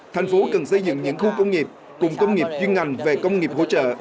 thành phố cần xây dựng những khu công nghiệp cùng công nghiệp chuyên ngành về công nghiệp hỗ trợ